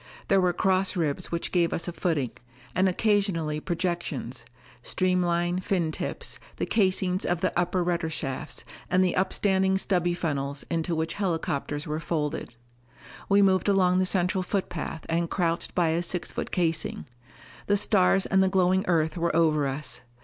There were cross ribs which gave us a footing, and occasionally projections streamline fin tips, the casings of the upper rudder shafts, and the upstanding stubby funnels into which helicopters were folded. We moved along the central footpath and crouched by a six foot casing. The stars and the glowing Earth were over us.